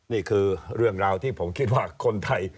นี่คือเรื่องราวที่ผมคิดว่าคนไทย